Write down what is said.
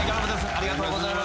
ありがとうございます。